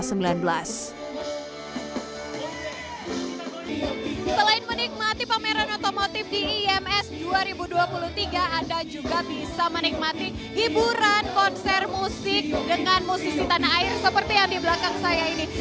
selain menikmati pameran otomotif di ims dua ribu dua puluh tiga anda juga bisa menikmati hiburan konser musik dengan musisi tanah air seperti yang di belakang saya ini